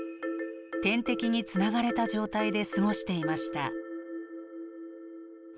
点滴につながれた状態で過ごしていました。